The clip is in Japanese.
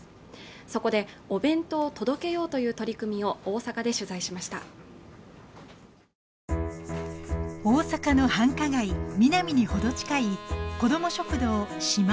そこでお弁当を届けようという取り組みを大阪で取材しました大阪の繁華街ミナミに程近い子ども食堂しま